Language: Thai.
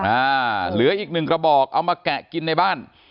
อ่าเหลืออีกหนึ่งกระบอกเอามาแกะกินในบ้าน